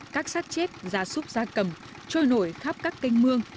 các sát chết da súc da cầm trôi nổi khắp các kênh mương